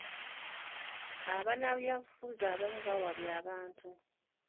Bannabyabufuzi abamu bawabya abantu.